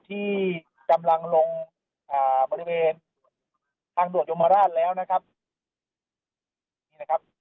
ที่กำลังลงอ่าบริเวณทางด่วนยมราชแล้วนะครับนี่นะครับ